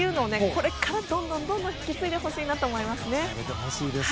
これからどんどんどんどん引き継いでほしいなと思います。